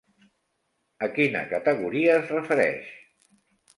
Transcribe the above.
A quina categoria es refereix?